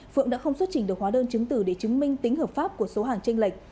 phượng đã không xuất trình được hóa đơn chứng tử để chứng minh tính hợp pháp của số hàng tranh lệch